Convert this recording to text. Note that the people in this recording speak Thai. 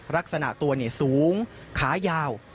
ลักษณะตัวเนี่ยสูงขายาว